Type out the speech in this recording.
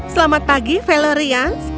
selamat pagi velorians